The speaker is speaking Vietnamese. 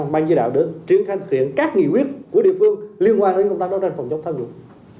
ban chỉ đạo để triển khai khuyển các nghị quyết của địa phương liên quan đến công tác đấu tranh phòng chống tham nhũng